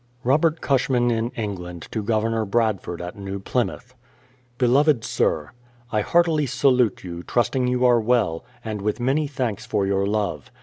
Robert Cushman in England to Governor Bradford at New Plymouth: Beloved Sir, ' I heartily salute you, trusting you are well, and with many thanks for your love.